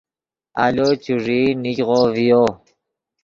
آلو چوݱیئی نیگغو ڤیو